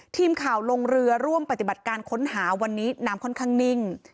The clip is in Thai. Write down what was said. ทีมข่าวลงเรือร่วมปฏิบัติการค้นหาวันนี้น้ำค่อนข้างนิ่ง